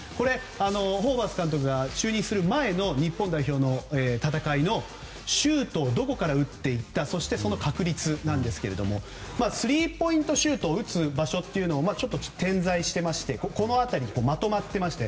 ホーバス監督が就任する前の日本代表の戦いのシュートをどこから打っていったそして、その確率なんですがスリーポイントシュートを打つ場所は点在していましてまとまっていまして。